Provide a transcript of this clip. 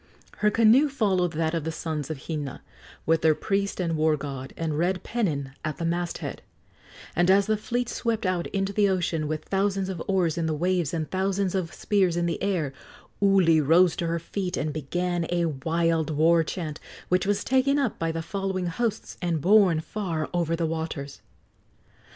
Her canoe followed that of the sons of Hina, with their priest and war god, and red pennon at the masthead; and as the fleet swept out into the ocean, with thousands of oars in the waves and thousands of spears in the air, Uli rose to her feet and began a wild war chant, which was taken up by the following hosts and borne far over the waters.